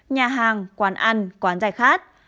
nhà hàng quán ăn quán dài khát